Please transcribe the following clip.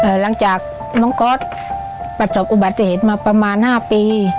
หลังจากน้องก๊อตประสบอุบัติเหตุมาประมาณห้าปี